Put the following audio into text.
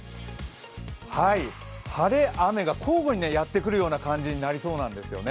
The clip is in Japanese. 晴れ、雨が交互にやってくるような感じになりそうなんですね。